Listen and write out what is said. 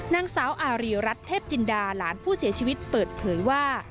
นางสาวอารีรัฐเทพจินดาหลานผู้เสียชีวิตเปิดเผยว่า